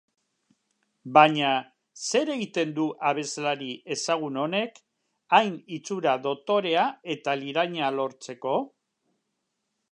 Baina zer egiten du abeslari ezagun honek hain itxura dotorea eta liraina lortzeko?